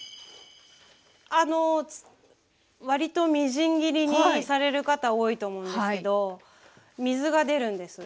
あの割とみじん切りにされる方多いと思うんですけど水が出るんです。